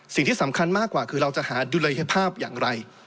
สิ่งที่สำคัญมากกว่าคือเราจะหาดุลยภาพอย่างไร